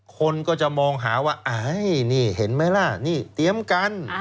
คนก็จะมองหาว่านี่เห็นไหมล่ะนี่เตรียมกัน